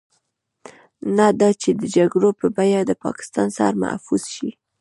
نه دا چې د جګړو په بيه د پاکستان سر محفوظ شي.